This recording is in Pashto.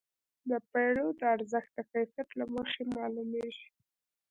د پیرود ارزښت د کیفیت له مخې معلومېږي.